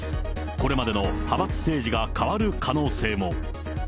これまでの派閥政治が変わる可能性も。